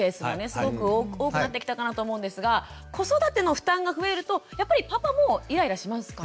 すごく多くなってきたかなと思うんですが子育ての負担が増えるとやっぱりパパもイライラしますかね？